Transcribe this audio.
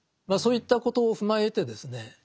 まあそういったことを踏まえてですね